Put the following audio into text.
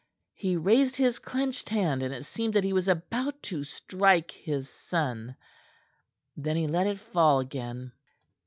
He raised his clenched hand, and it seemed that he was about to strike his son; then he let it fall again.